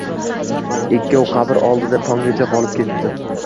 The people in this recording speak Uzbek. Ikkov qabr oldida tonggacha qolib ketdi.